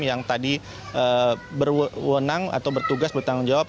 yang tadi berwenang atau bertugas bertanggung jawab